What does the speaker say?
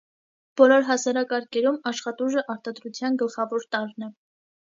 Բոլոր հասարակարգերում աշխատուժը արտադրության գլխավոր տարրն է։